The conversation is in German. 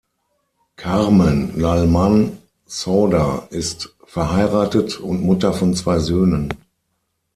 Carmen Lallemand-Sauder ist verheiratet und Mutter von zwei Söhnen.